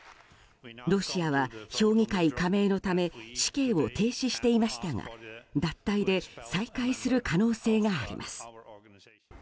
ロシアは評議会加盟のため死刑を停止していましたが脱退で再開する可能性があります。